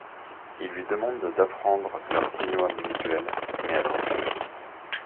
Il lui demande d’apprendre leurs signaux individuels, mais elle refuse.